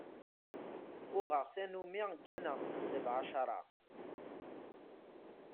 Uɣeɣ tanumi gganeɣ send lɛecṛa.